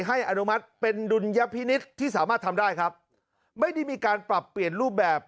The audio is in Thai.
อนุมัติเป็นดุลยพินิษฐ์ที่สามารถทำได้ครับไม่ได้มีการปรับเปลี่ยนรูปแบบ